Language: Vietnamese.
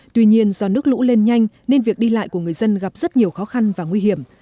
tuy nhiên do nước lũ lên nhanh nên việc đi lại của người dân gặp rất nhiều khó khăn và nguy hiểm